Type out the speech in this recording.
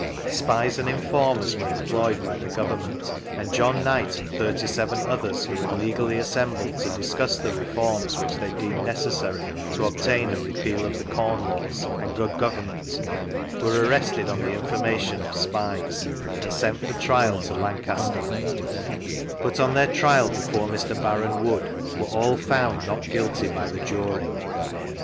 SjHes and Informers were em ployed by the Government, and John Knight and thirty seven othera who had legally assembled to discuss the reforms which they deemed necessary to /Obtain a repeal of the Corn Laws and good govern ment, were arrested on the information of spies, and sent for trial to Lancaster, but on their trial before Mr. Baron Wood, were all found not guilty by the Jury.